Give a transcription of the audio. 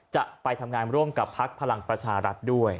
จะไปทำงานร่วมกับพักพลังประชารัฐด้วย